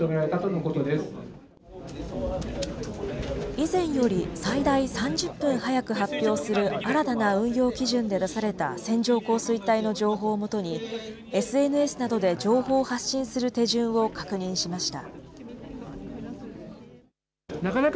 以前より最大３０分早く発表する新たな運用基準で出された線状降水帯の情報を基に、ＳＮＳなどで情報を発信する手順を確認しました。